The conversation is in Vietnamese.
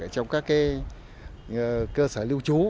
trong các cái cơ sở lưu trú